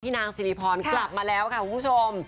นางสิริพรกลับมาแล้วค่ะคุณผู้ชม